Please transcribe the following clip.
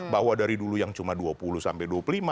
bahwa dari dulu yang cuma dua puluh sampai dua puluh lima